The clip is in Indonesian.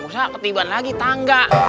ustaz ketiban lagi tangga